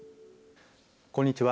こんにちは。